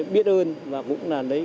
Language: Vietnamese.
biết ơn và cũng là lấy